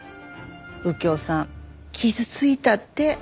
右京さん傷ついたって。